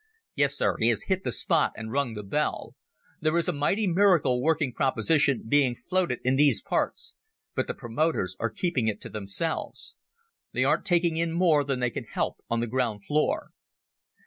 Yes, Sir, he has hit the spot and rung the bell. There is a mighty miracle working proposition being floated in these parts, but the promoters are keeping it to themselves. They aren't taking in more than they can help on the ground floor."